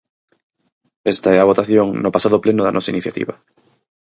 Esta é a votación no pasado pleno da nosa iniciativa.